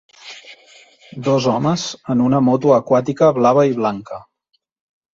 Dos homes en una moto aquàtica blava i blanca.